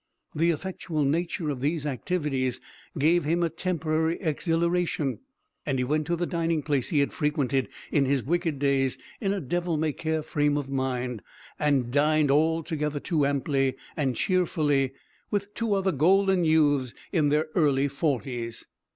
The effectual nature of these activities gave him a temporary exhilaration, and he went to the dining place he had frequented in his wicked days in a devil may care frame of mind, and dined altogether too amply and cheerfully with two other golden youths in their early forties.